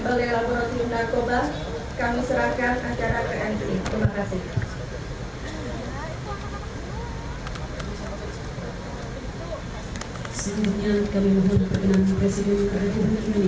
sebelum dilakukan pengusnahan